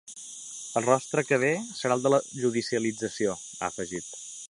El rostre que ve serà el de la judicialització, ha afegit.